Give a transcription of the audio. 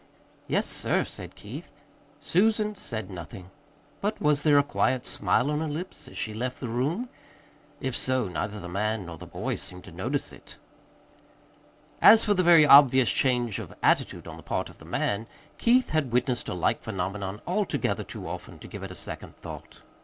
"Yes, sir," said Keith. Susan said nothing. But was there a quiet smile on her lips as she left the room? If so, neither the man nor the boy seemed to notice it. As for the very obvious change of attitude on the part of the man Keith had witnessed a like phenomenon altogether too often to give it a second thought.